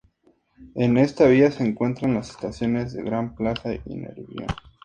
En esta vía se encuentran las estaciones de Gran Plaza y Nervión.